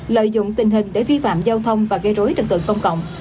lợi dụng tình hình để vi phạm giao thông và gây rối trật tự công cộng